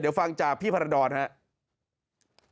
เดี๋ยวฟังจากพี่พารดรครับ